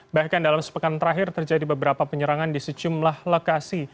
bahkan dalam sepekan terakhir terjadi beberapa penyerangan di sejumlah lokasi